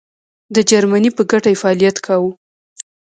د جرمني په ګټه یې فعالیت کاوه.